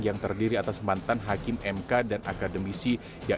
yang terdiri atas mantan hakim mk dan akademisi